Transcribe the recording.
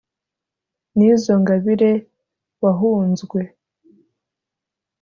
n’izo ngabire wahunzwe